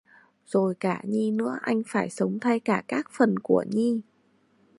Rồi cả Nhi nữa anh phải sống thay cả các phần của Nhi